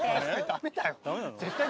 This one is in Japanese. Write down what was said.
ダメだよ。